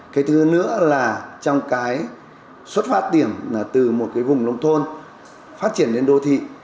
cái thứ nữa là trong cái xuất phát điểm là từ một cái vùng nông thôn phát triển đến đô thị